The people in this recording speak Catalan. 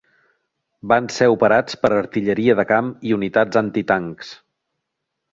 Van ser operats per artilleria de camp i unitats antitancs.